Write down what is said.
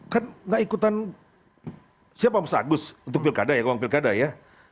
kan gak ikutan siapa mas agus untuk pilkada ya uang pilkada ya